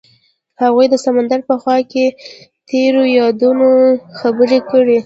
هغوی د سمندر په خوا کې تیرو یادونو خبرې کړې.